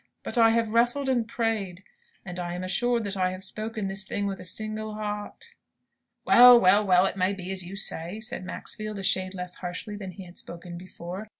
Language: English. But I have wrestled and prayed; and I am assured that I have spoken this thing with a single heart." "Well, well, well, it may be as you say," said Maxfield, a shade less harshly than he had spoken before.